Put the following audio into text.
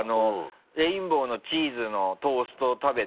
レインボーのチーズのトースト食べて。